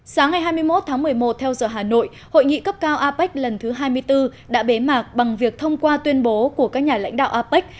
sáng ngày hai mươi một tháng một mươi một theo giờ hà nội hội nghị cấp cao apec lần thứ hai mươi bốn đã bế mạc bằng việc thông qua tuyên bố của các nhà lãnh đạo apec